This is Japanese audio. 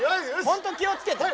本当に気を付けて。